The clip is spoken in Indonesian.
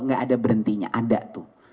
gak ada berhentinya ada tuh